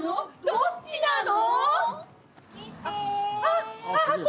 どっちなの？